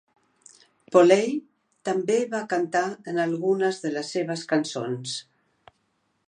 Poley també va cantar en algunes de les seves cançons.